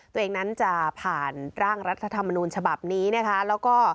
ตัวเองนั้นจะผ่านร่างรัฐธรรมนูญฉบับนี้นะคะแล้วก็